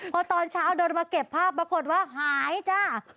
พอตอนเช้าเดินมาเก็บภาพปรากฏว่าหายจ้า